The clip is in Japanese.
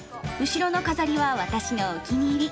後ろの飾りは私のお気に入り。